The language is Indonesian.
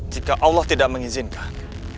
jika allah tidak mengizinkan